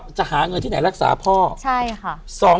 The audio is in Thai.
จะหาเงินที่ไหนรักษาพ่อใช่ค่ะ